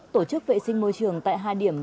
tổ chức vệ sinh môi trường tại hai điểm